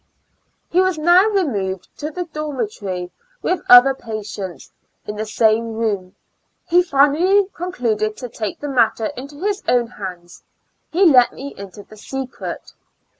He was now removed into the dormitory with other patients, in the same room. He finally concluded to take the matter into his own hands — he let me into the secret.